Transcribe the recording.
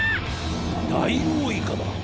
ダイオウイカだ！